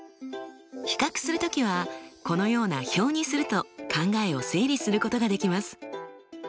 比較する時はこのような表にすると考えを整理することができます。